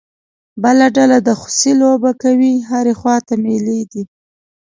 بله ډله د خوسی لوبه کوي، هرې خوا ته مېلې دي.